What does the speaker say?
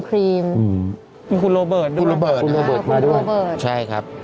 นี่คุณโรเบิร์ดด้วยพี่โรเบิร์ดใช่ครับ